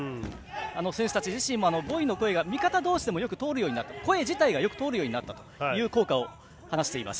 選手たちもボイの声が味方同士でも声自体がよく通るようになったという効果を話しています。